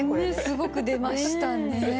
すごく出ましたね。